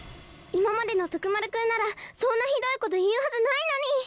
いままでのとくまるくんならそんなひどいこというはずないのに。